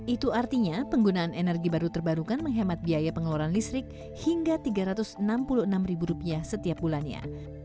itu artinya penggunaan energi baru terbarukan menghemat biaya pengeluaran listrik hingga rp tiga ratus enam puluh enam setiap bulannya